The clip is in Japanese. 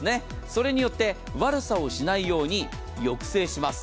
それによって悪さをしないように抑制します。